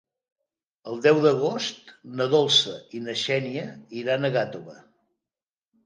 El deu d'agost na Dolça i na Xènia iran a Gàtova.